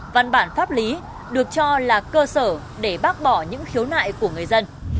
văn bản pháp lý được cho là cơ sở để bác bỏ những khiếu nại của người dân